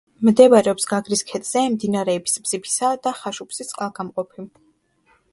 მდებარეობს გაგრის ქედზე, მდინარეების ბზიფისა და ხაშუფსის წყალგამყოფი.